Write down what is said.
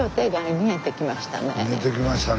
見えてきましたね